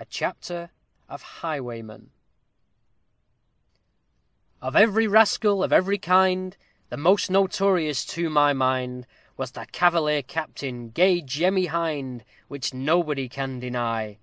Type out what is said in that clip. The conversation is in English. A CHAPTER OF HIGHWAYMEN Of every rascal of every kind, The most notorious to my mind, Was the Cavalier Captain, gay JEMMY HIND! _Which nobody can deny.